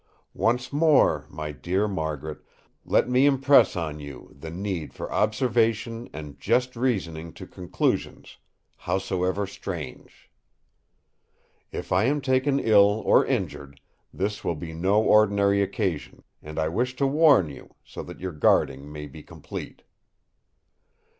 Once more, my dear Margaret, let me impress on you the need for observation and just reasoning to conclusions, howsoever strange. If I am taken ill or injured, this will be no ordinary occasion; and I wish to warn you, so that your guarding may be complete.